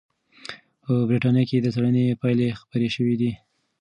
په بریتانیا کې د څېړنې پایلې خپرې شوې دي.